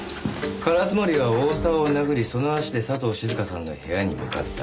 烏森は大沢を殴りその足で佐藤静香さんの部屋に向かった。